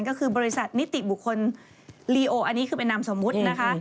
ก็คือบริษัทนิติบุคคลลีโออันนี้คือเป็นนามสมมุตินะคะ